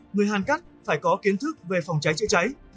người hàn cắt phải có kiến thức về phòng cháy chữa cháy